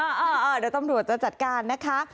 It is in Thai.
เดี๋ยวตำรวจจะจัดการนะคะ